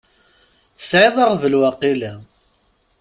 Tesεiḍ aɣbel waqila?